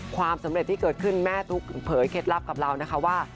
ความสำเร็จที่เกิดขึ้นแม่ตุ๊กเผยเคล็ดลับกับเรานะคะว่า